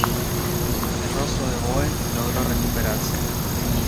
El Rostro de Boe logró recuperarse.